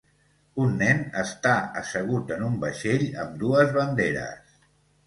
Un nen està assegut en un vaixell amb dues banderes.